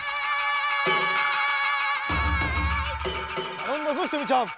たのんだぞひとみちゃん！